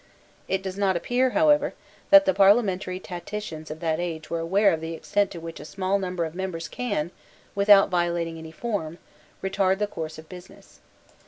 It does not appear, however, that the parliamentary tacticians of that age were aware of the extent to which a small number of members can, without violating any form, retard the course of business.